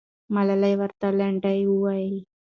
ملالۍ ورته لنډۍ وایي.